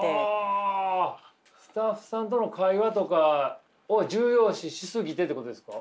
あスタッフさんとの会話とかを重要視し過ぎてってことですか？